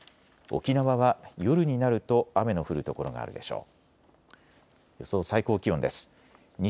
沖縄は夜になると雨の降る所があるでしょう。